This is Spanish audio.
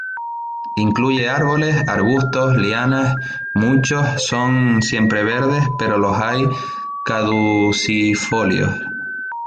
Incluye árboles, arbustos, lianas; muchos son siempreverdes pero los hay caducifolios.